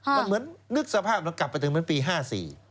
มันเหมือนนึกสภาพครั้งกลับไปเป็นปี๕๔